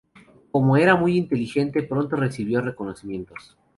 Como era muy inteligente pronto recibió reconocimientos.